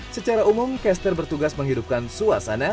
secara umum caster bertugas menghidupkan suasana